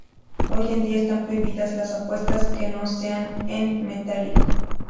Hoy en día están prohibidas las apuestas que no sean en metálico.